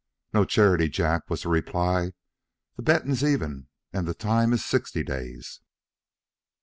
"No charity, Jack," was the reply. "The bettin's even, and the time is sixty days."